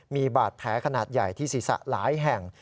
มีบาดแผลขนาดใหญ่ที่ศีรษะหลายแห่ง